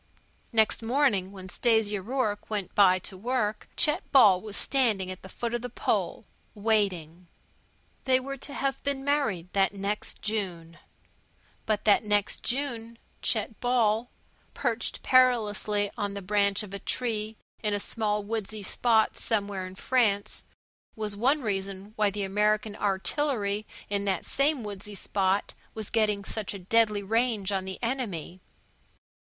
Next morning, when Stasia Rourke went by to work, Chet Ball was standing at the foot of the pole, waiting. They were to have been married that next June. But that next June Chet Ball, perched perilously on the branch of a tree in a small woodsy spot somewhere in France, was one reason why the American artillery in that same woodsy spot was getting such a deadly range on the enemy.